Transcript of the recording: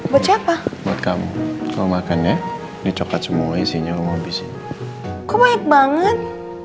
buat siapa kamu mau makan ya dicoklat semua isinya mau bisik kok banyak banget